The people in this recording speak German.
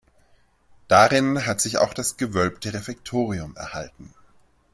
Darin hat sich auch das gewölbte Refektorium erhalten.